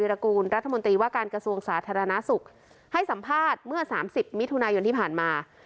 รากูลรัฐมนตรีว่าการกระทรวงสาธารณสุขให้สัมภาษณ์เมื่อสามสิบมิถุนายนที่ผ่านมา